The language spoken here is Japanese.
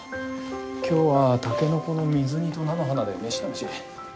今日はタケノコの水煮と菜の花でメシだメシ。